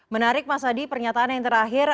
menarik mas adi pernyataan yang terakhir